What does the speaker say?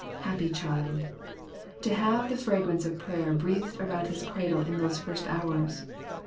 Happy child ! To have the fragrance of prayer breathed about his cradle in those first hours.